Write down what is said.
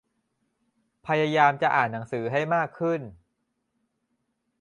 พยายามจะอ่านหนังสือให้มากขึ้น